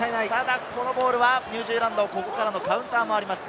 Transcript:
ニュージーランド、ここからのカウンターがあります。